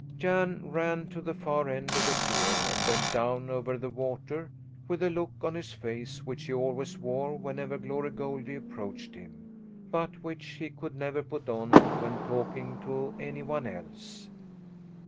Jan ran to the far end of the pier and bent down over the water, with the look on his face which he always wore whenever Glory Goldie approached him, but which he could never put on when talking to any one else.